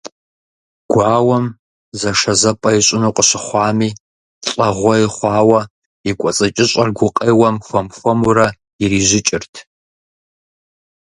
Гуауэм зэшэзэпӀэ ищӀыну къыщыхъуами, лӀэгъуей хъуауэ и кӀуэцӀыкӀыщӀэр гукъеуэм хуэм-хуэмурэ ирижьыкӀырт.